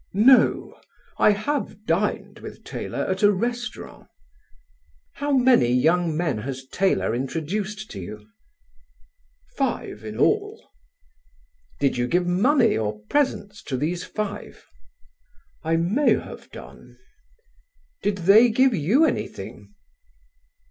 "No; I have dined with Taylor at a restaurant." "How many young men has Taylor introduced to you?" "Five in all." "Did you give money or presents to these five?" "I may have done." "Did they give you anything?"